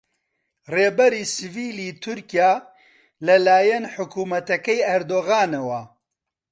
ڕێبەری سڤیلی تورکیا لەلایەن حکوومەتەکەی ئەردۆغانەوە